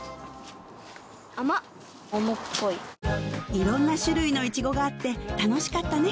いろんな種類のイチゴがあって楽しかったね